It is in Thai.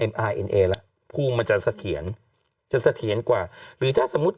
เอ็นเอละภูมิมันจะเสถียรจะเสถียรกว่าหรือถ้าสมมุติ